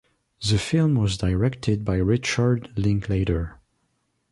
The film was directed by Richard Linklater.